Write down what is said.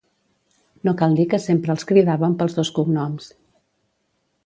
No cal dir que sempre els cridàvem pels dos cognoms.